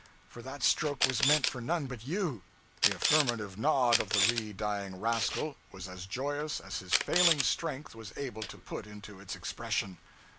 for that stroke was meant for none but you.' The affirmative nod of the re dying rascal was as joyous as his failing strength was able to put into its expression.